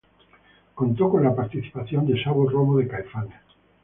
Contó con la participación de Sabo Romo de Caifanes.